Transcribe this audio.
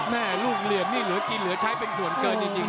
แม่ลูกเหลี่ยมนี่เหลือกินเหลือใช้เป็นส่วนเกินจริง